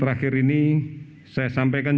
tetapi akhirnya terjadi kematian